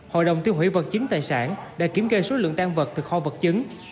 hội đồng tiêu hủy vật chứng tài sản đã kiểm kê số lượng tan vật từ kho vật chứng